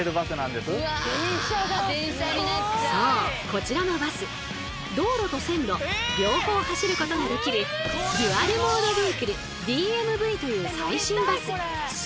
こちらのバス道路と線路両方走ることができるデュアル・モード・ビークルＤＭＶという最新バス！